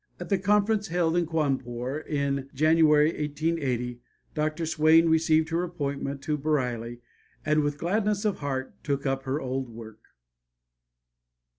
At the conference held in Cawnpore in January, 1880, Dr. Swain received her appointment to Bareilly and with gladness of heart took up her old work.